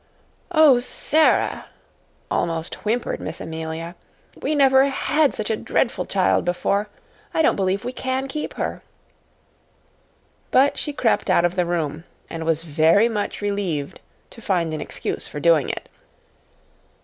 "Oh, Sara!" almost whimpered Miss Amelia. "We never had such a dreadful child before. I don't believe we can keep her." But she crept out of the room, and was very much relieved to find an excuse for doing it.